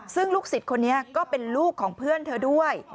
ซึ่งลูกศิษย์คนนี้ก็เป็นลูกของเพื่อนเธอด้วย